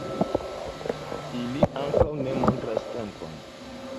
Ili ankaŭ ne montras tempon.